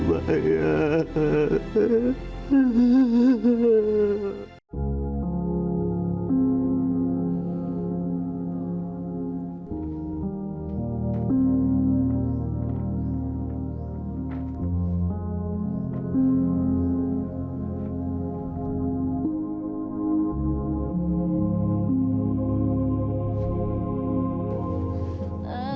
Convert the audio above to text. ไม่ไหวนะไบ